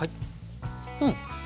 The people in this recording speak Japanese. うん。